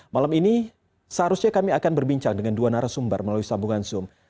malam ini seharusnya kami akan berbincang dengan dua narasumber melalui sambungan zoom